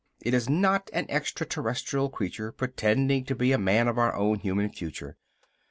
It is not an extra terrestrial creature pretending to be a man of our own human future.